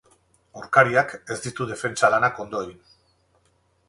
Aurkariak ez ditu defentsa lanak ondo egin.